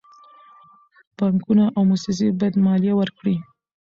بانکونه او موسسې باید مالیه ورکړي.